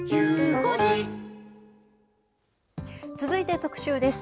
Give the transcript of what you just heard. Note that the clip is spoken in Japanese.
続いて特集です。